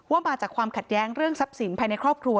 มาจากความขัดแย้งเรื่องทรัพย์สินภายในครอบครัว